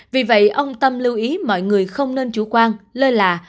vì vậy ông tâm lưu ý mọi người không nên chủ quan lơi lạ